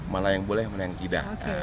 mana yang boleh mana yang tidak